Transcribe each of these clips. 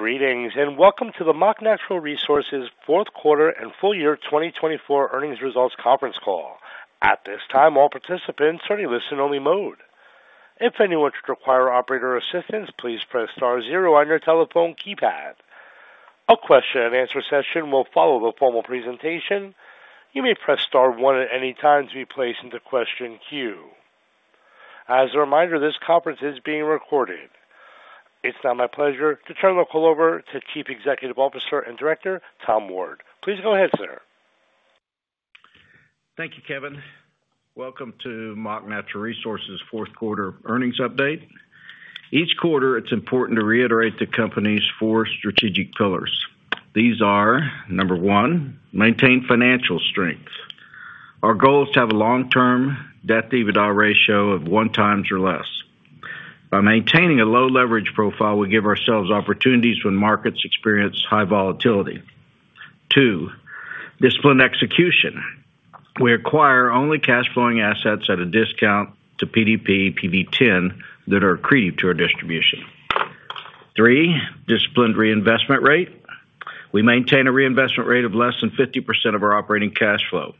Greetings and welcome to the Mach Natural Resources fourth quarter and full year 2024 earnings results conference call. At this time, all participants are in listen-only mode. If any of you require operator assistance, please press star zero on your telephone keypad. A question-and-answer session will follow the formal presentation. You may press star one at any time to be placed into the question queue. As a reminder, this conference is being recorded. It is now my pleasure to turn the call over to Chief Executive Officer and Director Tom Ward. Please go ahead, sir. Thank you, Kevin. Welcome to Mach Natural Resources fourth quarter earnings update. Each quarter, it's important to reiterate the company's four strategic pillars. These are, number one, maintain financial strength. Our goal is to have a long-term debt/EBITDA ratio of one times or less. By maintaining a low leverage profile, we give ourselves opportunities when markets experience high volatility. Two, discipline execution. We acquire only cash-flowing assets at a discount to PDP, PV10 that are accretive to our distribution. Three, disciplined reinvestment rate. We maintain a reinvestment rate of less than 50% of our operating cash flow.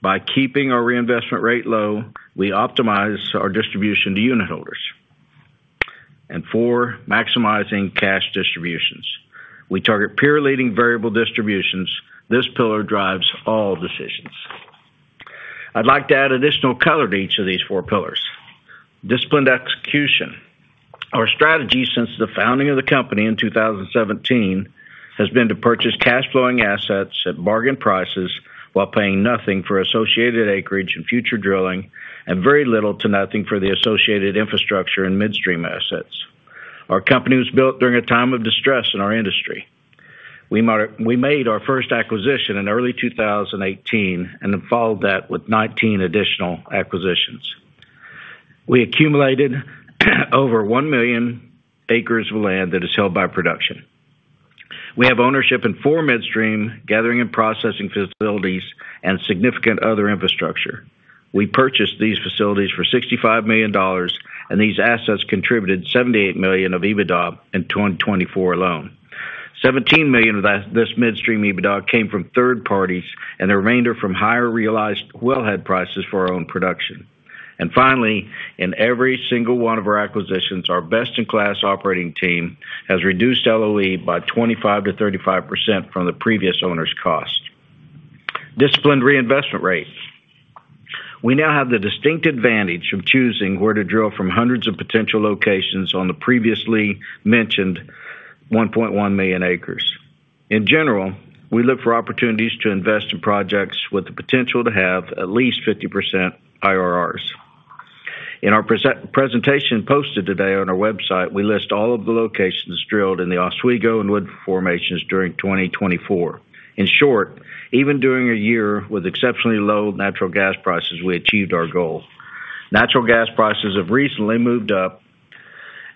By keeping our reinvestment rate low, we optimize our distribution to unit holders. Four, maximizing cash distributions. We target peer-leading variable distributions. This pillar drives all decisions. I'd like to add additional color to each of these four pillars. Disciplined execution. Our strategy, since the founding of the company in 2017, has been to purchase cash-flowing assets at bargain prices while paying nothing for associated acreage and future drilling, and very little to nothing for the associated infrastructure and midstream assets. Our company was built during a time of distress in our industry. We made our first acquisition in early 2018 and then followed that with 19 additional acquisitions. We accumulated over 1 million acres of land that is held by production. We have ownership in four midstream gathering and processing facilities and significant other infrastructure. We purchased these facilities for $65 million, and these assets contributed $78 million of EBITDA in 2024 alone. $17 million of this midstream EBITDA came from third parties, and the remainder from higher realized wellhead prices for our own production. In every single one of our acquisitions, our best-in-class operating team has reduced LOE by 25-35% from the previous owner's cost. Disciplined reinvestment rate. We now have the distinct advantage of choosing where to drill from hundreds of potential locations on the previously mentioned 1.1 million acres. In general, we look for opportunities to invest in projects with the potential to have at least 50% IRRs. In our presentation posted today on our website, we list all of the locations drilled in the Oswego and Wood Formations during 2024. In short, even during a year with exceptionally low natural gas prices, we achieved our goal. Natural gas prices have recently moved up,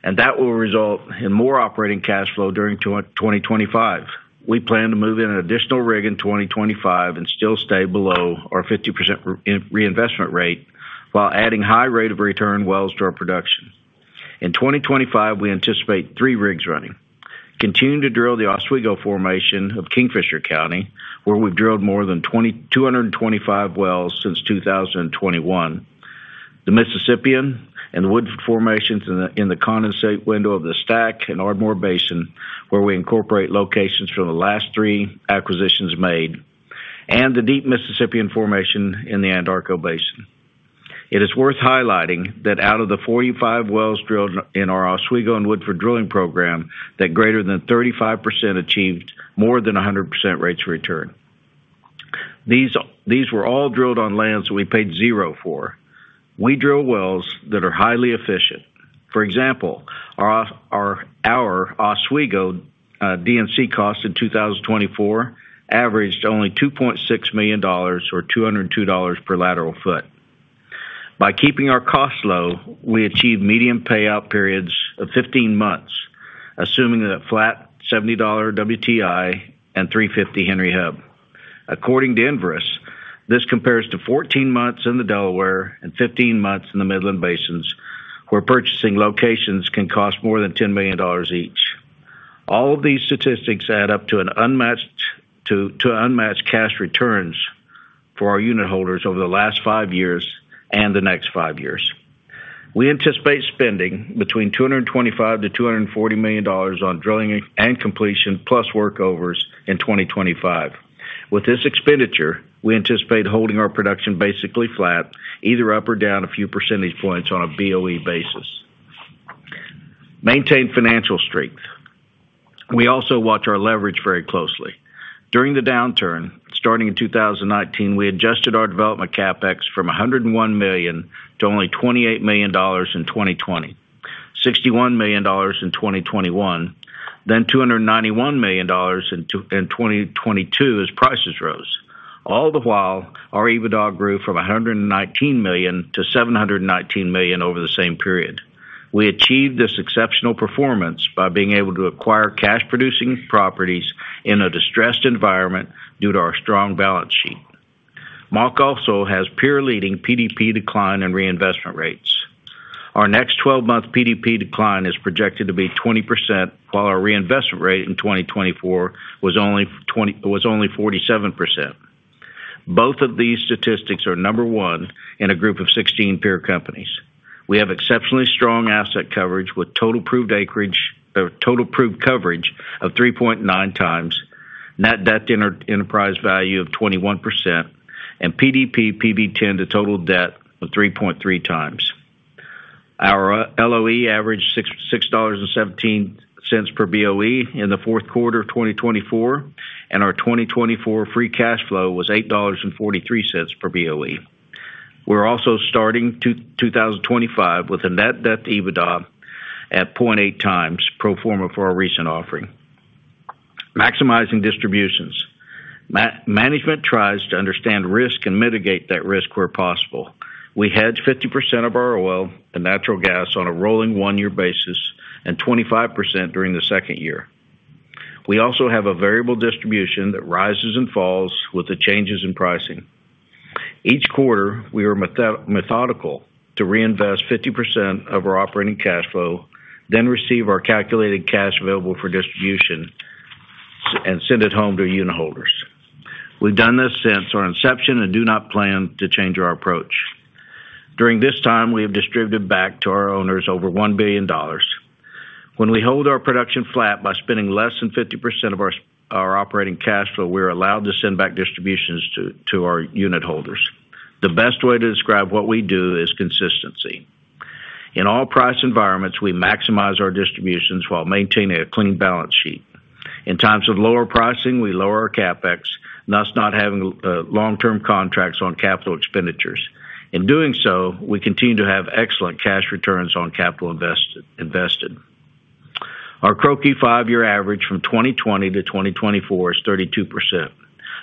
and that will result in more operating cash flow during 2025. We plan to move in an additional rig in 2025 and still stay below our 50% reinvestment rate while adding high rate of return wells to our production. In 2025, we anticipate three rigs running. Continue to drill the Oswego Formation of Kingfisher County, where we've drilled more than 225 wells since 2021. The Mississippian and the Woodford Formations in the condensate window of the STACK and Ardmore Basin, where we incorporate locations from the last three acquisitions made, and the Deep Mississippian Formation in the Anadarko Basin. It is worth highlighting that out of the 45 wells drilled in our Oswego and Woodford drilling program, that greater than 35% achieved more than 100% rates of return. These were all drilled on lands that we paid zero for. We drill wells that are highly efficient. For example, our Oswego DNC cost in 2024 averaged only $2.6 million or $202 per lateral foot. By keeping our costs low, we achieved medium payout periods of 15 months, assuming that flat $70 WTI and $3.50 Henry Hub. According to Enverus, this compares to 14 months in the Delaware and 15 months in the Midland Basins, where purchasing locations can cost more than $10 million each. All of these statistics add up to unmatched cash returns for our unit holders over the last five years and the next five years. We anticipate spending between $225-$240 million on drilling and completion plus workovers in 2025. With this expenditure, we anticipate holding our production basically flat, either up or down a few percentage points on a BOE basis. Maintain financial strength. We also watch our leverage very closely. During the downturn starting in 2019, we adjusted our development CapEx from $101 million to only $28 million in 2020, $61 million in 2021, then $291 million in 2022 as prices rose. All the while, our EBITDA grew from $119 million to $719 million over the same period. We achieved this exceptional performance by being able to acquire cash-producing properties in a distressed environment due to our strong balance sheet. Mach also has peer-leading PDP decline and reinvestment rates. Our next 12-month PDP decline is projected to be 20%, while our reinvestment rate in 2024 was only 47%. Both of these statistics are number one in a group of 16 peer companies. We have exceptionally strong asset coverage with total proved coverage of 3.9 times, net debt enterprise value of 21%, and PDP PV10 to total debt of 3.3 times. Our LOE averaged $6.17 per BOE in the fourth quarter of 2024, and our 2024 free cash flow was $8.43 per BOE. We're also starting 2025 with a net debt EBITDA at 0.8 times pro forma for our recent offering. Maximizing distributions. Management tries to understand risk and mitigate that risk where possible. We hedge 50% of our oil and natural gas on a rolling one-year basis and 25% during the second year. We also have a variable distribution that rises and falls with the changes in pricing. Each quarter, we are methodical to reinvest 50% of our operating cash flow, then receive our calculated cash available for distribution and send it home to unit holders. We've done this since our inception and do not plan to change our approach. During this time, we have distributed back to our owners over $1 billion. When we hold our production flat by spending less than 50% of our operating cash flow, we are allowed to send back distributions to our unit holders. The best way to describe what we do is consistency. In all price environments, we maximize our distributions while maintaining a clean balance sheet. In times of lower pricing, we lower our CapEx, thus not having long-term contracts on capital expenditures. In doing so, we continue to have excellent cash returns on capital invested. Our CROCI five-year average from 2020 to 2024 is 32%.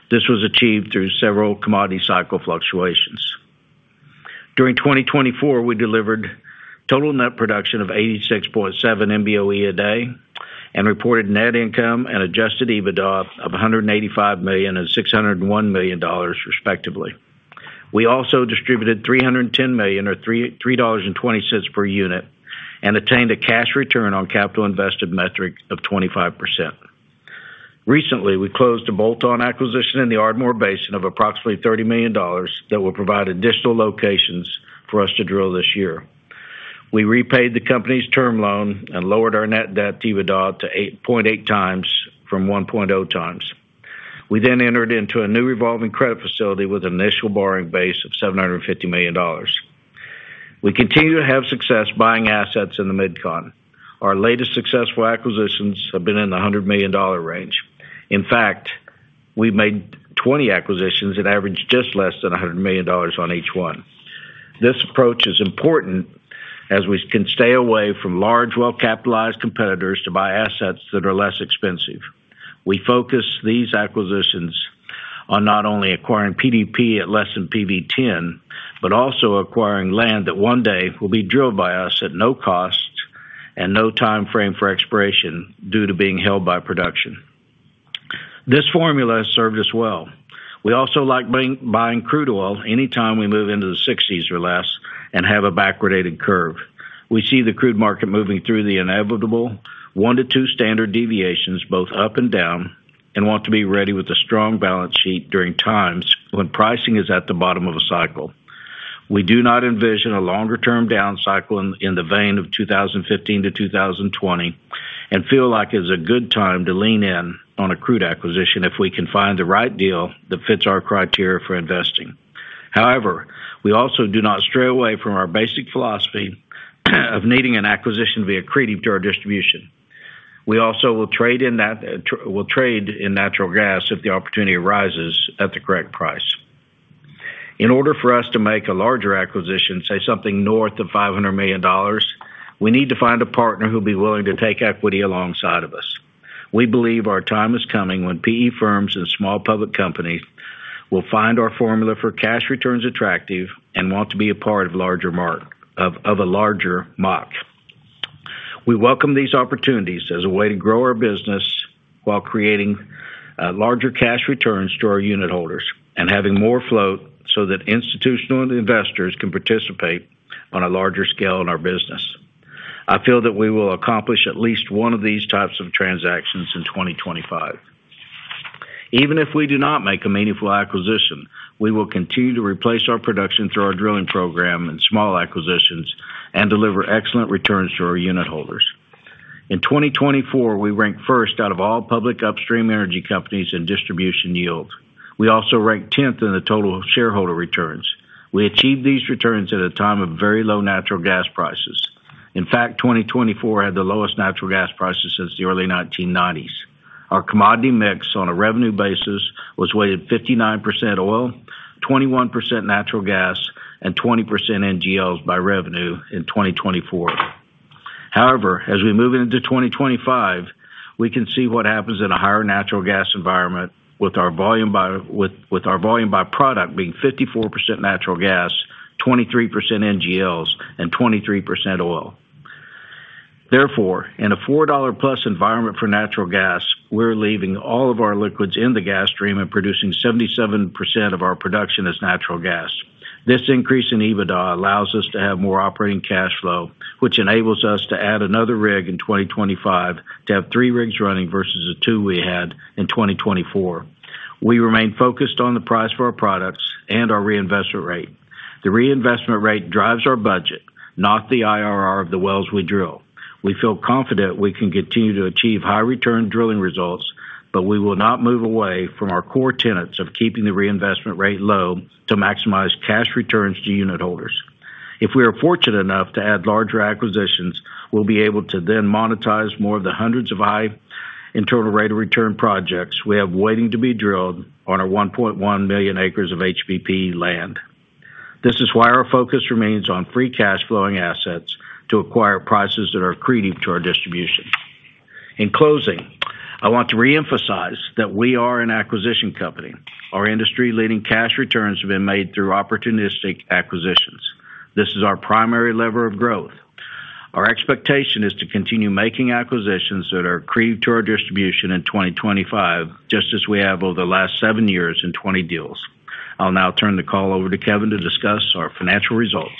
This was achieved through several commodity cycle fluctuations. During 2024, we delivered total net production of 86.7 MBOE a day and reported net income and adjusted EBITDA of $185 million and $601 million, respectively. We also distributed $310 million or $3.20 per unit and attained a cash return on capital invested metric of 25%. Recently, we closed a bolt-on acquisition in the Ardmore Basin of approximately $30 million that will provide additional locations for us to drill this year. We repaid the company's term loan and lowered our net debt EBITDA to 0.8 times from 1.0 times. We then entered into a new revolving credit facility with an initial borrowing base of $750 million. We continue to have success buying assets in the mid-continent. Our latest successful acquisitions have been in the $100 million range. In fact, we made 20 acquisitions and averaged just less than $100 million on each one. This approach is important as we can stay away from large, well-capitalized competitors to buy assets that are less expensive. We focus these acquisitions on not only acquiring PDP at less than PV10, but also acquiring land that one day will be drilled by us at no cost and no timeframe for expiration due to being held by production. This formula served us well. We also like buying crude oil anytime we move into the $60s or less and have a backward dated curve. We see the crude market moving through the inevitable one to two standard deviations both up and down and want to be ready with a strong balance sheet during times when pricing is at the bottom of a cycle. We do not envision a longer-term down cycle in the vein of 2015 to 2020 and feel like it is a good time to lean in on a crude acquisition if we can find the right deal that fits our criteria for investing. However, we also do not stray away from our basic philosophy of needing an acquisition to be accretive to our distribution. We also will trade in natural gas if the opportunity arises at the correct price. In order for us to make a larger acquisition, say something north of $500 million, we need to find a partner who will be willing to take equity alongside of us. We believe our time is coming when PE firms and small public companies will find our formula for cash returns attractive and want to be a part of a larger Mach. We welcome these opportunities as a way to grow our business while creating larger cash returns to our unit holders and having more float so that institutional investors can participate on a larger scale in our business. I feel that we will accomplish at least one of these types of transactions in 2025. Even if we do not make a meaningful acquisition, we will continue to replace our production through our drilling program and small acquisitions and deliver excellent returns to our unit holders. In 2024, we ranked first out of all public upstream energy companies in distribution yield. We also ranked 10th in the total shareholder returns. We achieved these returns at a time of very low natural gas prices. In fact, 2024 had the lowest natural gas prices since the early 1990s. Our commodity mix on a revenue basis was weighted 59% oil, 21% natural gas, and 20% NGLs by revenue in 2024. However, as we move into 2025, we can see what happens in a higher natural gas environment with our volume by product being 54% natural gas, 23% NGLs, and 23% oil. Therefore, in a $4 plus environment for natural gas, we're leaving all of our liquids in the gas stream and producing 77% of our production as natural gas. This increase in EBITDA allows us to have more operating cash flow, which enables us to add another rig in 2025 to have three rigs running versus the two we had in 2024. We remain focused on the price for our products and our reinvestment rate. The reinvestment rate drives our budget, not the IRR of the wells we drill. We feel confident we can continue to achieve high-return drilling results, but we will not move away from our core tenets of keeping the reinvestment rate low to maximize cash returns to unit holders. If we are fortunate enough to add larger acquisitions, we'll be able to then monetize more of the hundreds of high internal rate of return projects we have waiting to be drilled on our 1.1 million acres of HBP land. This is why our focus remains on free cash flowing assets to acquire at prices that are accretive to our distribution. In closing, I want to reemphasize that we are an acquisition company. Our industry-leading cash returns have been made through opportunistic acquisitions. This is our primary lever of growth. Our expectation is to continue making acquisitions that are accretive to our distribution in 2025, just as we have over the last seven years in 20 deals. I'll now turn the call over to Kevin to discuss our financial results.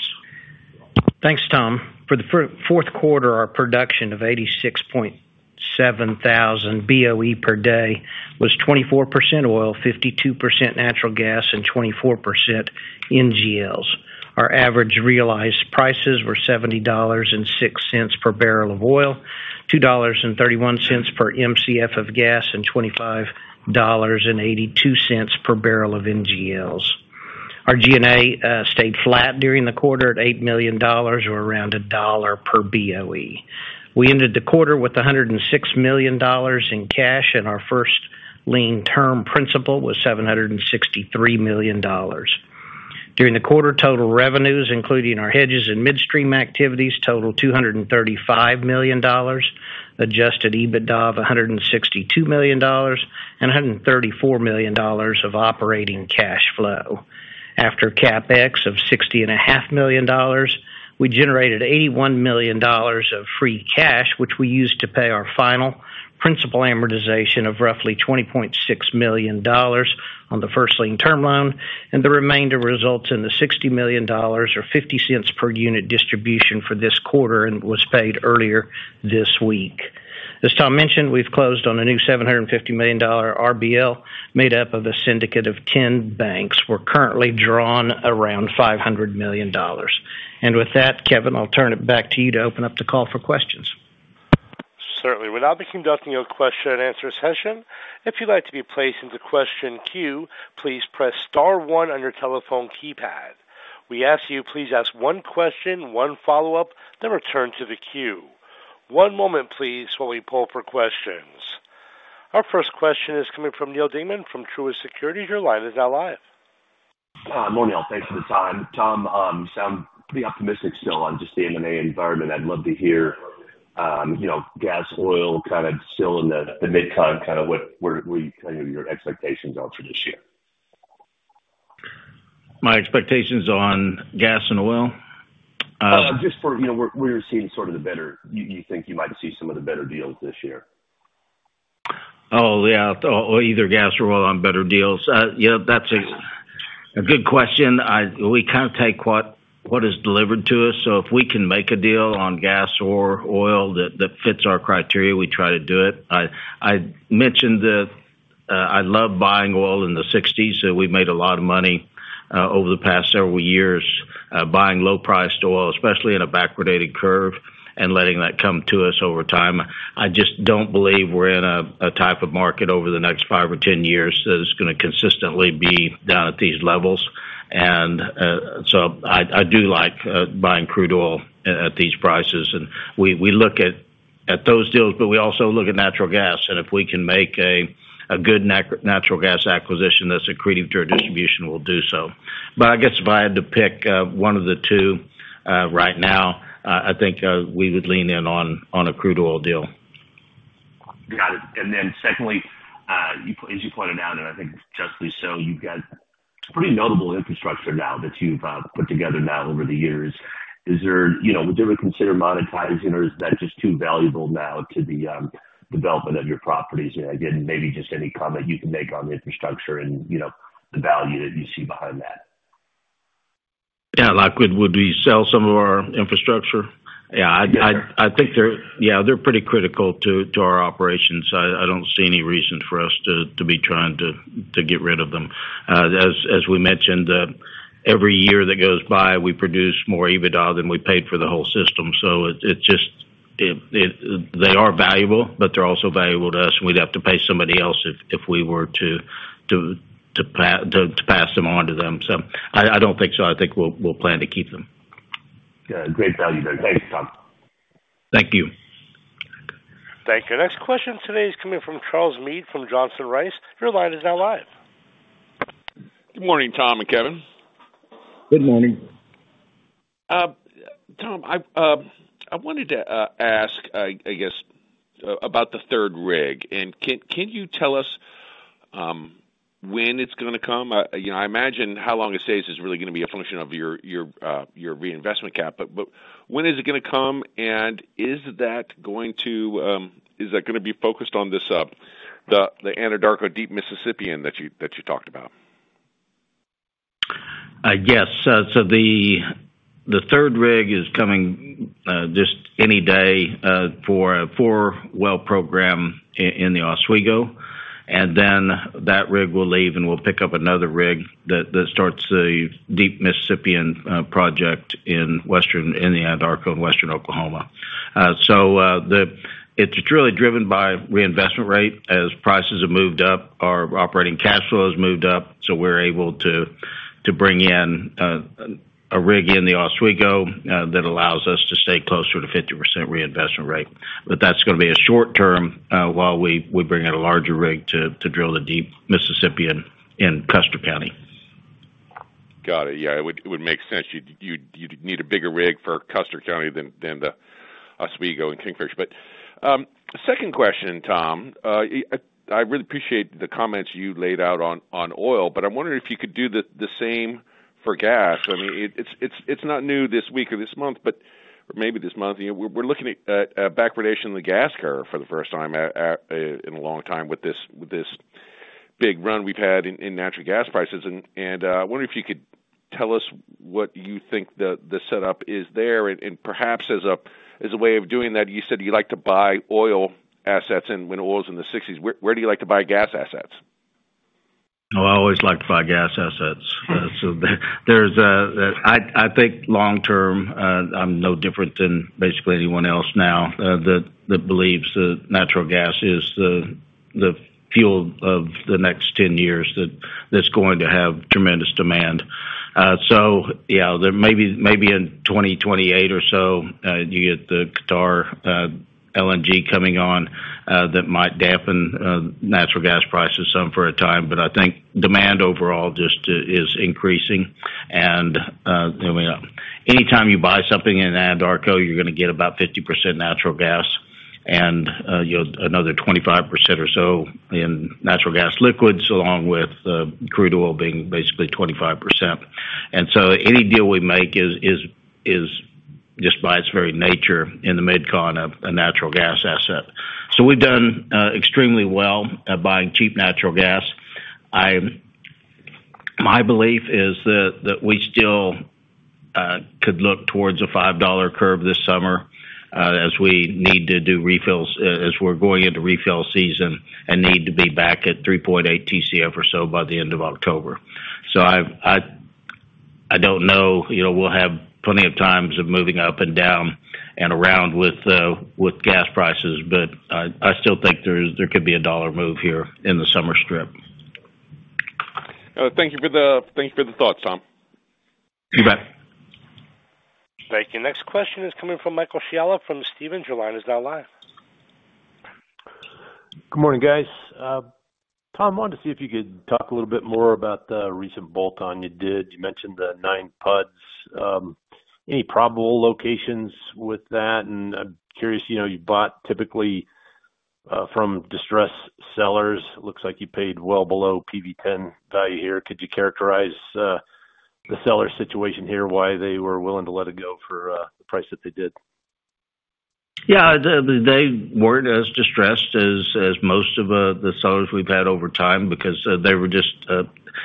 Thanks, Tom. For the fourth quarter, our production of 86.7 thousand BOE per day was 24% oil, 52% natural gas, and 24% NGLs. Our average realized prices were $70.06 per barrel of oil, $2.31 per MCF of gas, and $25.82 per barrel of NGLs. Our G&A stayed flat during the quarter at $8 million or around $1 per BOE. We ended the quarter with $106 million in cash, and our first lien term principal was $763 million. During the quarter, total revenues, including our hedges and midstream activities, totaled $235 million, adjusted EBITDA of $162 million, and $134 million of operating cash flow. After CapEx of $60.5 million, we generated $81 million of free cash, which we used to pay our final principal amortization of roughly $20.6 million on the first lien term loan, and the remainder resulted in the $60 million or $0.50 per unit distribution for this quarter and was paid earlier this week. As Tom mentioned, we've closed on a new $750 million RBL made up of a syndicate of 10 banks. We're currently drawn around $500 million. With that, Kevin, I'll turn it back to you to open up the call for questions. Certainly. With that, we are conducting a question and answer session, if you'd like to be placed into question queue, please press star one on your telephone keypad. We ask you, please ask one question, one follow-up, then return to the queue. One moment, please, while we pull for questions. Our first question is coming from Neal Dingmann from Truist Securities. Your line is now live. Morning, Neal. Thanks for the time. Tom, sound pretty optimistic still on just the M&A environment. I'd love to hear gas, oil kind of still in the mid-time, kind of what were you telling your expectations also this year? My expectations on gas and oil? Just for, you know, we're seeing sort of the better, you think you might see some of the better deals this year. Oh, yeah, or either gas or oil on better deals. Yeah, that's a good question. We kind of take what is delivered to us. So if we can make a deal on gas or oil that fits our criteria, we try to do it. I mentioned that I love buying oil in the 60s, so we've made a lot of money over the past several years buying low-priced oil, especially in a backward dated curve and letting that come to us over time. I just don't believe we're in a type of market over the next five or ten years that is going to consistently be down at these levels. I do like buying crude oil at these prices. We look at those deals, but we also look at natural gas. If we can make a good natural gas acquisition that's accretive to our distribution, we'll do so. I guess if I had to pick one of the two right now, I think we would lean in on a crude oil deal. Got it. Secondly, as you pointed out, and I think justly so, you've got pretty notable infrastructure now that you've put together over the years. Is there, would you ever consider modifying that, just too valuable now to the development of your properties? Maybe just any comment you can make on the infrastructure and the value that you see behind that. Yeah, a lot of good would be to sell some of our infrastructure. I think they're pretty critical to our operations. I don't see any reason for us to be trying to get rid of them. As we mentioned, every year that goes by, we produce more EBITDA than we paid for the whole system. They are valuable, but they're also valuable to us. We'd have to pay somebody else if we were to pass them on to them. I do not think so. I think we will plan to keep them. Great value there. Thanks, Tom. Thank you. Thanks. Our next question today is coming from Charles Meade from Johnson Rice. Your line is now live. Good morning, Tom and Kevin. Good morning. Tom, I wanted to ask, I guess, about the third rig. Can you tell us when it is going to come? I imagine how long it stays is really going to be a function of your reinvestment cap. When is it going to come? Is that going to be focused on the Anadarko Deep Mississippian that you talked about? Yes. The third rig is coming just any day for a four-well program in the Oswego. Then that rig will leave and we will pick up another rig that starts the Deep Mississippian project in Western Anadarko and Western Oklahoma. It is really driven by reinvestment rate as prices have moved up, our operating cash flow has moved up. We are able to bring in a rig in the Oswego that allows us to stay closer to 50% reinvestment rate. That is going to be short term while we bring in a larger rig to drill the Deep Mississippian in Custer County. Got it. Yeah, it would make sense. You would need a bigger rig for Custer County than the Oswego and Kingfish. Second question, Tom, I really appreciate the comments you laid out on oil, but I am wondering if you could do the same for gas. I mean, it is not new this week or this month, but maybe this month. We are looking at backwardation of the gas curve for the first time in a long time with this big run we have had in natural gas prices. I wonder if you could tell us what you think the setup is there. Perhaps as a way of doing that, you said you like to buy oil assets when oil's in the 60s. Where do you like to buy gas assets? Oh, I always liked to buy gas assets. I think long term, I'm no different than basically anyone else now that believes that natural gas is the fuel of the next 10 years that's going to have tremendous demand. Yeah, maybe in 2028 or so, you get the Qatar LNG coming on that might dampen natural gas prices some for a time. I think demand overall just is increasing. Anytime you buy something in Anadarko, you're going to get about 50% natural gas and another 25% or so in natural gas liquids, along with crude oil being basically 25%. Any deal we make is just by its very nature in the mid-con of a natural gas asset. We have done extremely well at buying cheap natural gas. My belief is that we still could look towards a $5 curve this summer as we need to do refills, as we are going into refill season and need to be back at 3.8 TCF or so by the end of October. I do not know, we will have plenty of times of moving up and down and around with gas prices, but I still think there could be a dollar move here in the summer strip. Thank you for the thoughts, Tom. Bye. Thank you. Next question is coming from Michael Scialla from Stifel. Your line is now live. Good morning, guys. Tom, I wanted to see if you could talk a little bit more about the recent bolt-on you did. You mentioned the nine PUDs. Any probable locations with that? I'm curious, you bought typically from distressed sellers. Looks like you paid well below PV10 value here. Could you characterize the seller situation here, why they were willing to let it go for the price that they did? They were not as distressed as most of the sellers we've had over time because they were just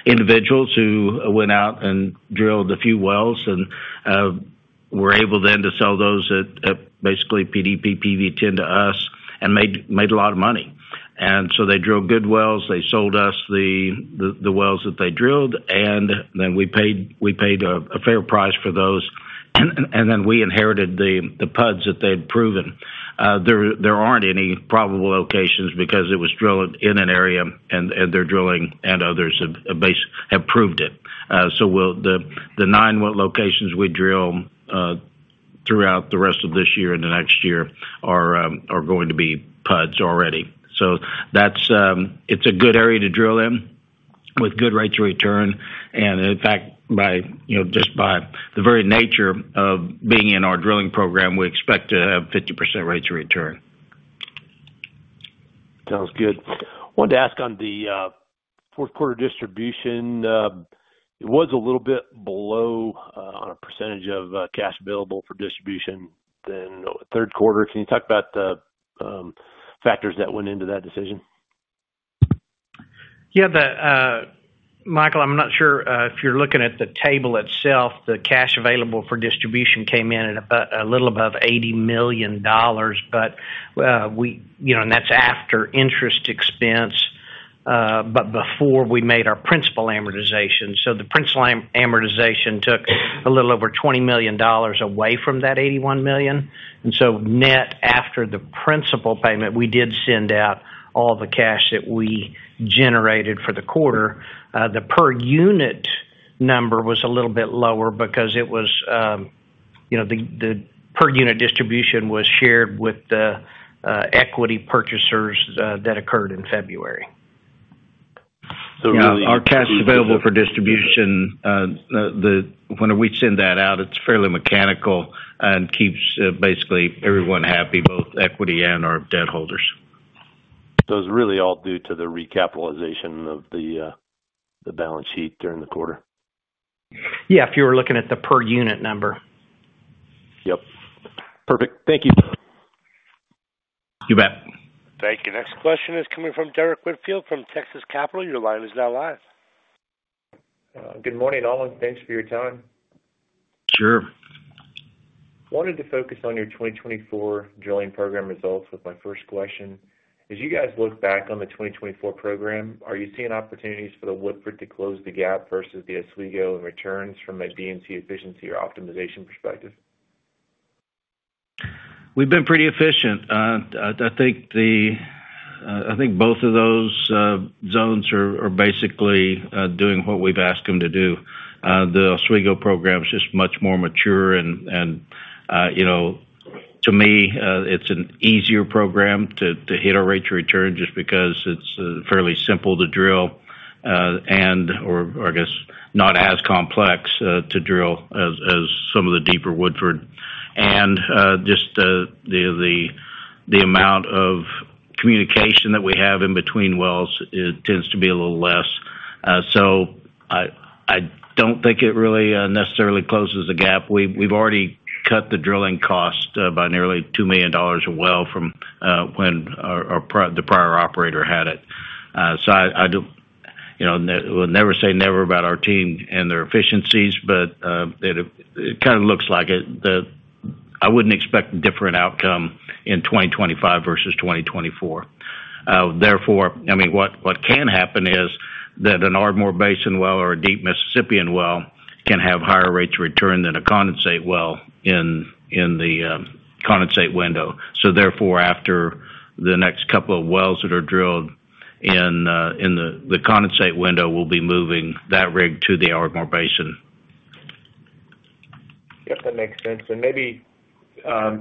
individuals who went out and drilled a few wells and were able then to sell those at basically PDP, PV10 to us and made a lot of money. They drilled good wells. They sold us the wells that they drilled, and we paid a fair price for those. We inherited the pods that they'd proven. There are not any probable locations because it was drilled in an area and they're drilling and others have proved it. The nine locations we drill throughout the rest of this year and the next year are going to be pods already. It is a good area to drill in with good rates of return. In fact, just by the very nature of being in our drilling program, we expect to have 50% rates of return. Sounds good. I wanted to ask on the fourth quarter distribution. It was a little bit below on a percentage of cash available for distribution than third quarter. Can you talk about the factors that went into that decision? Yeah, Michael, I am not sure if you are looking at the table itself. The cash available for distribution came in at a little above $80 million, but that is after interest expense, but before we made our principal amortization. The principal amortization took a little over $20 million away from that $81 million. Net after the principal payment, we did send out all the cash that we generated for the quarter. The per unit number was a little bit lower because the per unit distribution was shared with the equity purchasers that occurred in February. Our cash available for distribution, when we send that out, is fairly mechanical and keeps basically everyone happy, both equity and our debt holders. It is really all due to the recapitalization of the balance sheet during the quarter. If you were looking at the per unit number. Yep. Perfect. Thank you. You bet. Thank you. Next question is coming from Derrick Whitfield from Texas Capital. Your line is now live. Good morning, all. Thanks for your time. Sure. Wanted to focus on your 2024 drilling program results with my first question. As you guys look back on the 2024 program, are you seeing opportunities for the Woodford to close the gap versus the Oswego in returns from a DNC efficiency or optimization perspective? We've been pretty efficient. I think both of those zones are basically doing what we've asked them to do. The Oswego program is just much more mature. To me, it's an easier program to hit our rate of return just because it's fairly simple to drill and, or I guess, not as complex to drill as some of the deeper Woodford. Just the amount of communication that we have in between wells tends to be a little less. I don't think it really necessarily closes the gap. We've already cut the drilling cost by nearly $2 million a well from when the prior operator had it. I will never say never about our team and their efficiencies, but it kind of looks like I would not expect a different outcome in 2025 versus 2024. Therefore, I mean, what can happen is that an Ardmore Basin well or a Deep Mississippian well can have higher rates of return than a condensate well in the condensate window. Therefore, after the next couple of wells that are drilled in the condensate window, we will be moving that rig to the Ardmore Basin. Yep, that makes sense. Maybe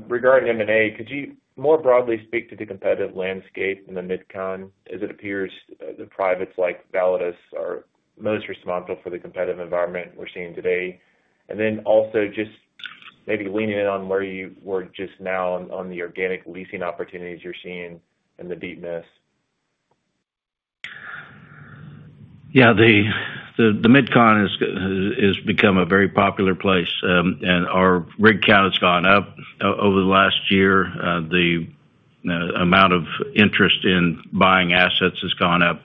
regarding M&A, could you more broadly speak to the competitive landscape in the mid-con as it appears the privates like Validus are most responsible for the competitive environment we are seeing today? Also, just maybe leaning in on where you were just now on the organic leasing opportunities you are seeing in the deepness. Yeah, the mid-con has become a very popular place. Our rig count has gone up over the last year. The amount of interest in buying assets has gone up.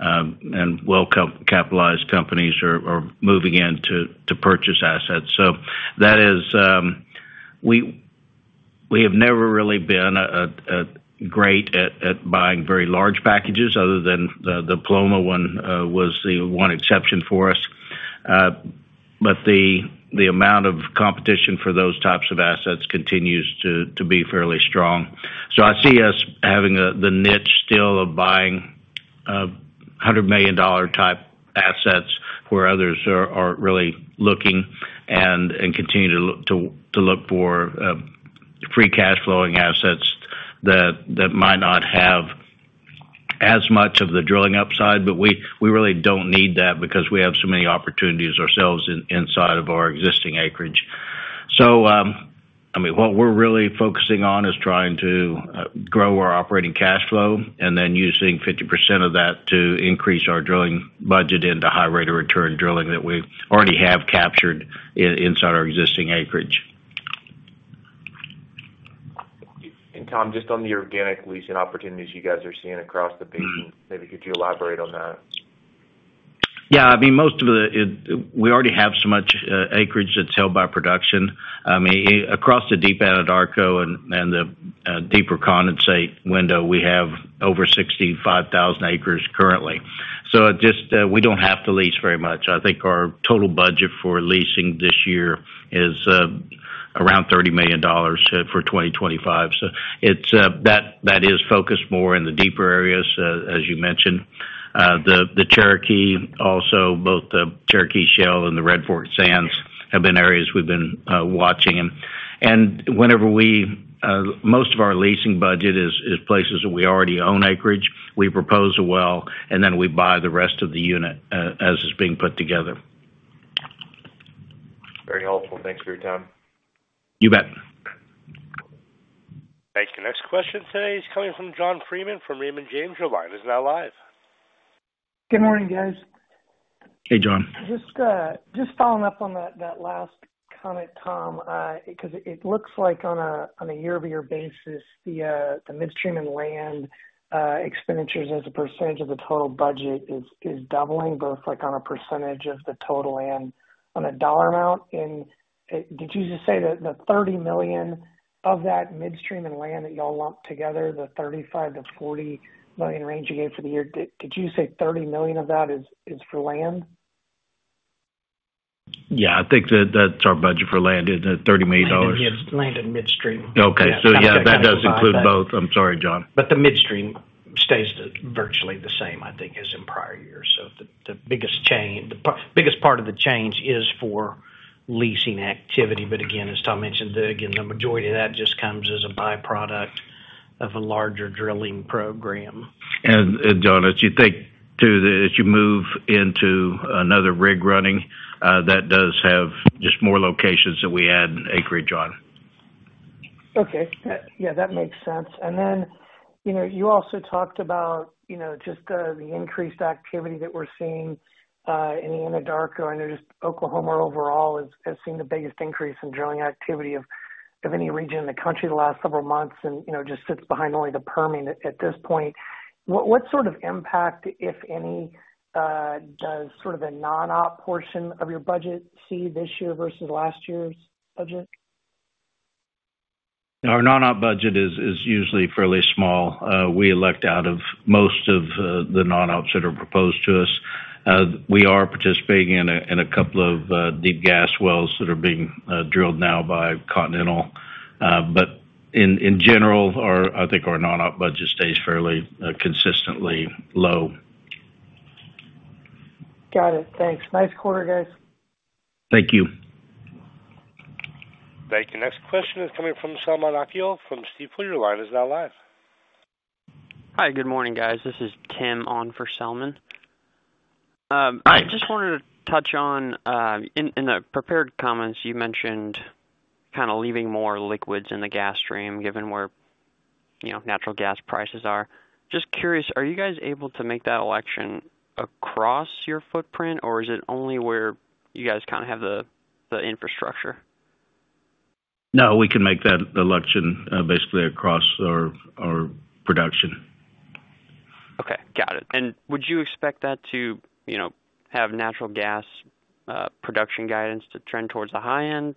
Well-capitalized companies are moving in to purchase assets. We have never really been great at buying very large packages other than the Paloma one was the one exception for us. The amount of competition for those types of assets continues to be fairly strong. I see us having the niche still of buying $100 million type assets where others are really looking and continue to look for free cash flowing assets that might not have as much of the drilling upside. We really do not need that because we have so many opportunities ourselves inside of our existing acreage. I mean, what we're really focusing on is trying to grow our operating cash flow and then using 50% of that to increase our drilling budget into high rate of return drilling that we already have captured inside our existing acreage. Tom, just on the organic leasing opportunities you guys are seeing across the basin, maybe could you elaborate on that? I mean, we already have so much acreage that's held by production. Across the deep Anadarko and the deeper condensate window, we have over 65,000 acres currently. We do not have to lease very much. I think our total budget for leasing this year is around $30 million for 2025. That is focused more in the deeper areas, as you mentioned. The Cherokee also, both the Cherokee Shale and the Red Fork Sands have been areas we've been watching. Most of our leasing budget is places that we already own acreage. We propose a well, and then we buy the rest of the unit as it is being put together. Very helpful. Thanks for your time. You bet. Thank you. Next question today is coming from John Freeman from Raymond James. Your line is now live. Good morning, guys. Hey, John. Just following up on that last comment, Tom, because it looks like on a year-over-year basis, the midstream and land expenditures as a percentage of the total budget is doubling, both on a percentage of the total and on a dollar amount. Did you just say that the $30 million of that midstream and land that you all lump together, the $35 million-$40 million range you gave for the year, did you say $30 million of that is for land? Yeah, I think that's our budget for land, isn't it? $30 million. Land and midstream. Okay. Yeah, that does include both. I'm sorry, John. The midstream stays virtually the same, I think, as in prior years. The biggest part of the change is for leasing activity. Again, as Tom mentioned, the majority of that just comes as a byproduct of a larger drilling program. John, as you think too, as you move into another rig running, that does have just more locations that we add acreage on. Okay. Yeah, that makes sense. You also talked about just the increased activity that we're seeing in the Anadarko. I know just Oklahoma overall has seen the biggest increase in drilling activity of any region in the country the last several months and just sits behind only the Permian at this point. What sort of impact, if any, does sort of the non-op portion of your budget see this year versus last year's budget? Our non-op budget is usually fairly small. We elect out of most of the non-ops that are proposed to us. We are participating in a couple of deep gas wells that are being drilled now by Continental. In general, I think our non-op budget stays fairly consistently low. Got it. Thanks. Nice quarter, guys. Thank you. Thank you. Next question is coming from Selman Akyol from Stifel. Your line is now live. Hi, good morning, guys. This is Tim on for Salman. I just wanted to touch on, in the prepared comments, you mentioned kind of leaving more liquids in the gas stream given where natural gas prices are. Just curious, are you guys able to make that election across your footprint, or is it only where you guys kind of have the infrastructure? No, we can make that election basically across our production. Okay. Got it. Would you expect that to have natural gas production guidance to trend towards the high end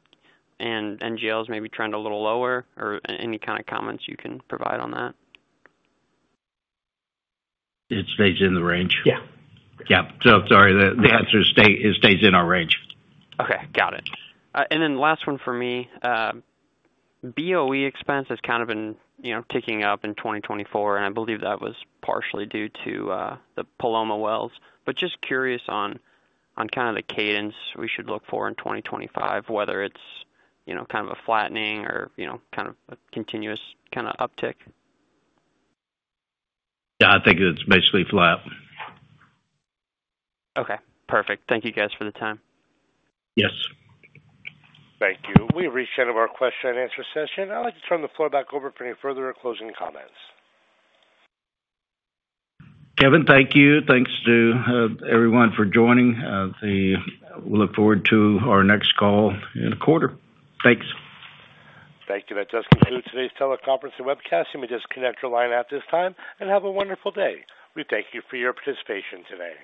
and NGLs maybe trend a little lower or any kind of comments you can provide on that? It stays in the range. Yeah. Yep. Sorry, the answer is stays in our range. Okay. Got it. Last one for me, BOE expense has kind of been ticking up in 2024, and I believe that was partially due to the Paloma wells. Just curious on kind of the cadence we should look for in 2025, whether it is kind of a flattening or kind of a continuous kind of uptick. Yeah, I think it's basically flat. Okay. Perfect. Thank you, guys, for the time. Yes. Thank you. We've reached the end of our question and answer session. I'd like to turn the floor back over for any further closing comments. Kevin, thank you. Thanks to everyone for joining. We look forward to our next call in a quarter. Thanks. Thank you. That does conclude today's teleconference and webcast. You may disconnect your line at this time and have a wonderful day. We thank you for your participation today.